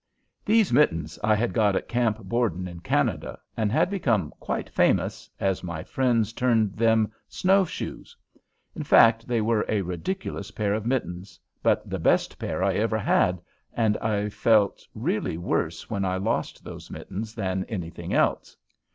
These mittens I had got at Camp Borden, in Canada, and had become quite famous, as my friends termed them "snow shoes." In fact, they were a ridiculous pair of mittens, but the best pair I ever had, and I really felt worse when I lost those mittens than anything else.